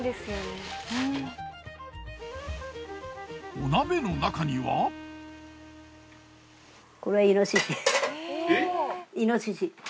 お鍋の中には。えっ？イノシシ？